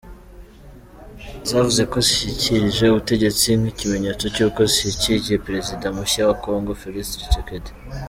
Zavuze ko zishyikirije ubutegetsi nk'ikimenyetso cyuko zishyigikiye Perezida mushya wa Kongo, Félix Tshisekedi.